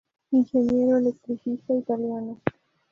Ingeniero electricista italiano.